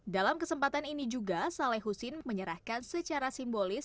dalam kesempatan ini juga saleh husin menyerahkan secara simbolis